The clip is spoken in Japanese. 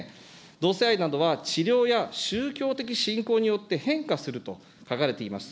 同性愛などは、治療や宗教的信仰によって変化すると書かれています。